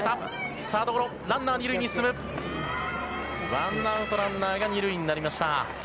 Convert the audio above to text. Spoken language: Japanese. ワンアウトランナー２塁になりました。